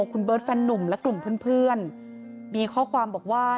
คุณเบิร์ตแฟนนุ่มและกลุ่มเพื่อนมีข้อความบอกว่า